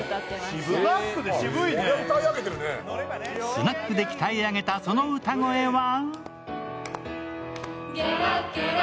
スナックで鍛え上げたその歌声は？